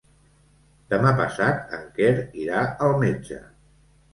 Demà passat en Quer irà al metge.